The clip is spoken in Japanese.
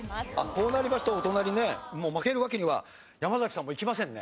こうなりますとお隣ね負けるわけには山崎さんもいきませんね。